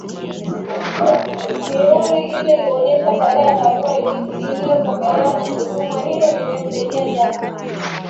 Mihuri ile huonesha tarehe ya barua iliyopokelewa na kutumwa hilo lingemsaidia Jacob